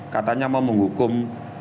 katanya mau menghukum